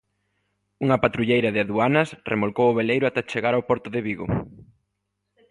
Unha patrulleira de Aduanas remolcou o veleiro ata chegar ao porto de Vigo.